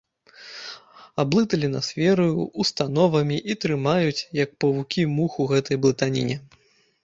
Аблыталі нас вераю, установамі і трымаюць, як павукі мух у гэтай блытаніне.